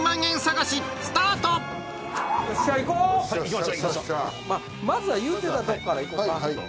まあまずは言うてたとこからいこか。